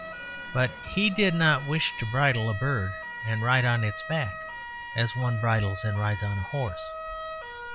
But he did not wish to bridle a bird and ride on its back, as one bridles and rides on a horse.